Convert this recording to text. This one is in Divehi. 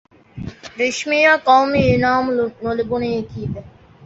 ރިޝްމީއަށް ގައުމީ އިނާމު ނުލިބުނީ ކީއްވެ؟